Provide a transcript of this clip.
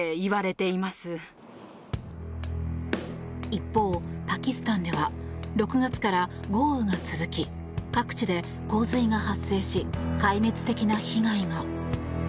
一方、パキスタンでは６月から豪雨が続き各地で洪水が発生し壊滅的な被害が。